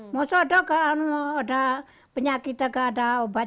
nazila selalu mengalami penyakit tersebut